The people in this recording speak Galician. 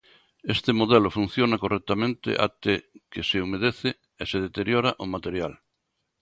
Este modelo funciona correctamente até que se humedece e se deteriora o material.